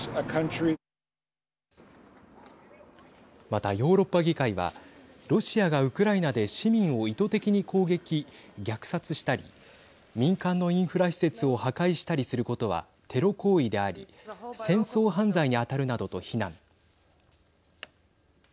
また、ヨーロッパ議会はロシアがウクライナで市民を意図的に攻撃、虐殺したり民間のインフラ施設を破壊したりすることはテロ行為であり戦争犯罪に当たるなどと非難。